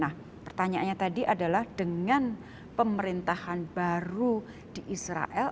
nah pertanyaannya tadi adalah dengan pemerintahan baru di israel